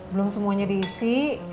belum semuanya diisi